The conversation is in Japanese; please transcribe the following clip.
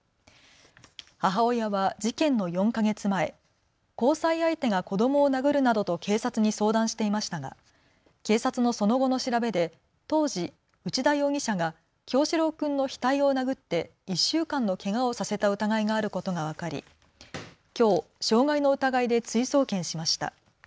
母親は事件の４か月前、交際相手が子どもを殴るなどと警察に相談していましたが警察のその後の調べで当時、内田容疑者が叶志郎君の額を殴って１週間のけがをさせた疑いがあることが分かり、きょう傷害の疑いで追送検しました。